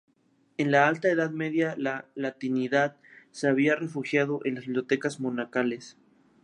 En la Alta Edad Media la latinidad se había refugiado en la bibliotecas monacales.